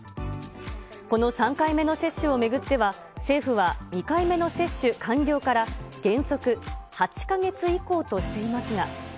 この３回目の接種を巡っては、政府は、２回目の接種完了から、原則８か月以降としていますが。